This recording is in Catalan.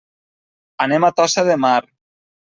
Anem a Tossa de Mar.